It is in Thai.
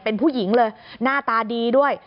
เป็นผู้หญิงเลยหน้าตาดีด้วย